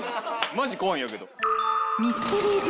マジ怖いんやけど。